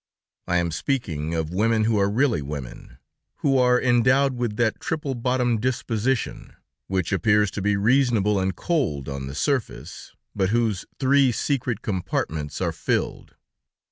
I am speaking of women who are really women, who are endowed with that triple bottomed disposition, which appears to be reasonable and cold on the surface, but whose three secret compartments are filled.